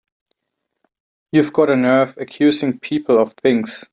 You've got a nerve accusing people of things!